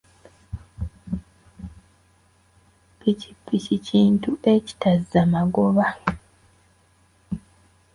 Ppikipiki kintu ekitazza magoba.